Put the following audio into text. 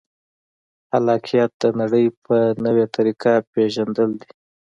خلاقیت د نړۍ په نوې طریقه پېژندل دي.